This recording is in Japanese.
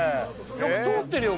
よく通ってるよ